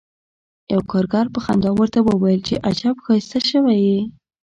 یوه کارګر په خندا ورته وویل چې عجب ښایسته شوی یې